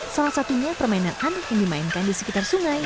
salah satunya permainan anak yang dimainkan di sekitar sungai